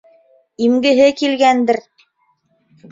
Имгеһе килгәндер.